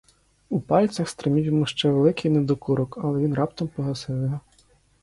У пальцях стримів йому ще великий недокурок, але він раптом погасив його.